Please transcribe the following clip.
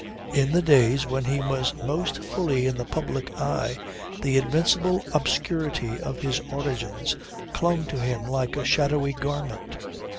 In the days when he was most fully in the public eye the invincible obscurity of his origins clung to him like a shadowy garment.